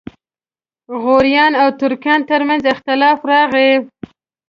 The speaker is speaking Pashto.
غوریانو او ترکانو ترمنځ اختلاف راغی.